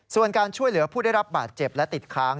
ส่วนการช่วยเหลือผู้ได้รับบาดเจ็บและติดค้าง